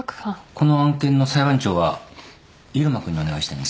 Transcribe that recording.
この案件の裁判長は入間君にお願いしたいんです。